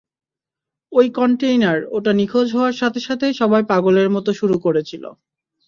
ওই কন্টেইনার ওটা নিখোঁজ হওয়ার সাথে সাথে সবাই পাগলের মতো শুরু করেছিল।